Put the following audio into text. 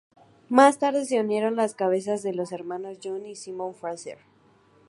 Más tarde se unieron las cabezas de los hermanos John y Simon Fraser.